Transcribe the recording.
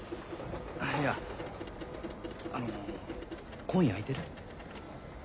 あいやあの今夜空いてる？